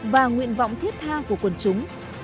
và nguyện vọng thiết tha của quân chúng